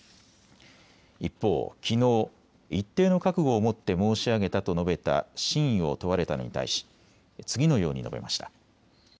一方、きのう一定の覚悟を持って申し上げたと述べた真意を問われたのに対し、次のように述べました。